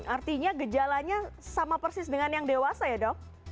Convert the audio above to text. artinya gejalanya sama persis dengan yang dewasa ya dok